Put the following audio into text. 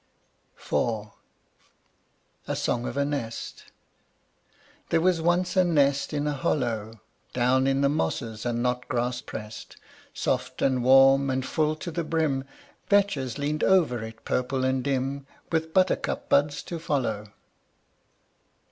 IV. A song of a nest: There was once a nest in a hollow: Down in the mosses and knot grass pressed, Soft and warm, and full to the brim Vetches leaned over it purple and dim, With buttercup buds to follow.